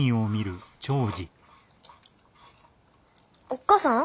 おっ母さん？